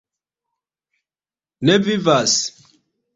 Ne Vivas?